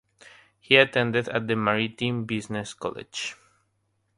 He attended the Maritime Business College.